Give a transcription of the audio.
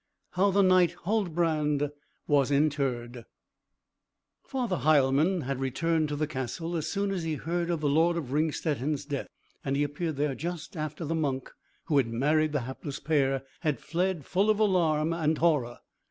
XIX. HOW THE KNIGHT HULDBRAND WAS INTERRED Father Heilmann had returned to the castle, as soon as he heard of the Lord of Ringstetten's death, and he appeared there just after the monk, who had married the hapless pair, had fled full of alarm and horror.